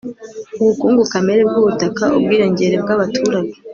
ubukungu kamere bw'ubutaka, ubwiyongere bw'abaturage